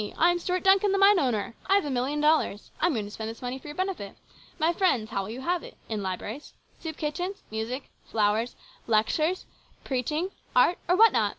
I am Stuart Duncan, the mine owner. I have a million dollars. I am going to spend this money for your benefit. My friends, how will you have it ? In libraries, soup kitchens, music, flowers, lectures, preaching, art, or what not